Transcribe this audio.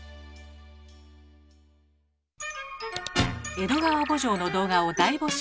「江戸川慕情」の動画を大募集。